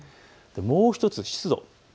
もう１つ湿度。